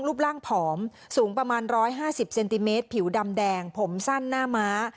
รูปร่างผอมสูงประมาณ๑๕๐เซนติเมตรผิวดำแดงผมสั้นหน้าม้า